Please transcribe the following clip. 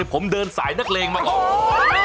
ผมเดินสายนักเลงมาก่อน